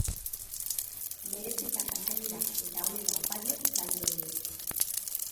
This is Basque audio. Merezita pasa dira eta onena opa diot talde honi.